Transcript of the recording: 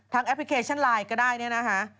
แอปพลิเคชันไลน์ก็ได้เนี่ยนะคะ